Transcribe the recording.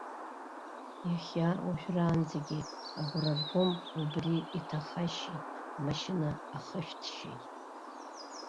Иахьа уажәраанӡагьы агәра ргом убри иҭахашьеи амашьына ахышәҭшьеи.